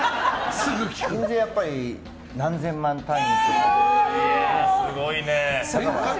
印税はやっぱり何千万単位とかで。